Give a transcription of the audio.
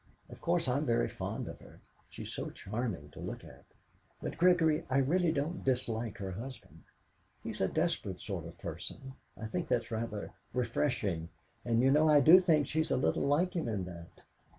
Of course, I'm very fond of her, she's so charming to look at; but, Gregory, I really don't dislike her husband. He's a desperate sort of person I think that's rather, refreshing; and you know I do think she's a little like him in that!"